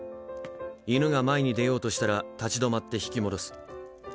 犬が前に出ようとしたら立ち止まって引き戻す。